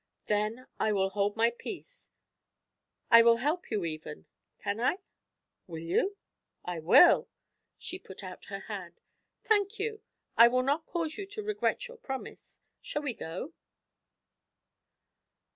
'Then I will hold my peace; I will help you, even can I?' 'Will you?' 'I will.' She put out her hand. 'Thank you. I will not cause you to regret your promise. Shall we go?'